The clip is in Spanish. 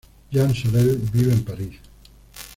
Jean Sorel vive en París.